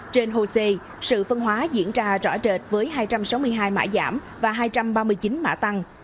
trên hosea sự phân hóa diễn ra rõ rệt với hai trăm sáu mươi hai mã giảm và hai trăm ba mươi chín mã tăng